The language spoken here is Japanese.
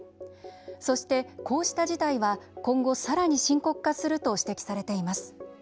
そして、こうした事態は今後、さらに深刻化すると指摘されています。